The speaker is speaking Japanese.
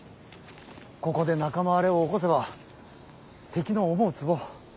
ここで仲間割れを起こせば敵の思うつぼ。